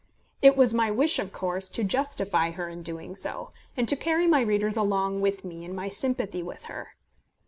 It was my wish of course to justify her in doing so, and to carry my readers along with me in my sympathy with her.